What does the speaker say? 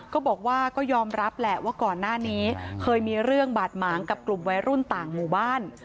ก็บอกว่าก็ยอมรับแหละว่าก่อนหน้านี้เคยมีเรื่องบาดหมางกับกลุ่มวัยรุ่นต่างหมู่บ้าน